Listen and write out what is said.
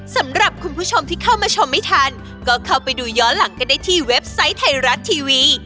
สำหรับคุณผู้ชมที่เข้ามาชมไม่ทันก็เข้าไปดูย้อนหลังกันได้ที่เว็บไซต์ไทยรัฐทีวี